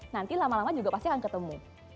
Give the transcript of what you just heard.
nanti lama lama juga pasti akan ketemu